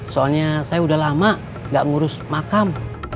soalnya saya udah lama gak ngurus makam